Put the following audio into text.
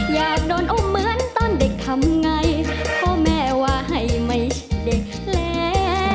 อยากโดนอุ้มเหมือนตอนเด็กทำไงพ่อแม่ว่าให้ไม่เด็กแล้ว